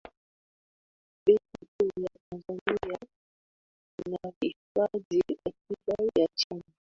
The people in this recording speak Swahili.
benki kuu ya tanzania inahifadhi akiba ya nchi